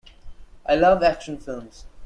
I love action films.